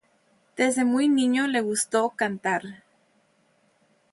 Desde muy niño le gustó cantar.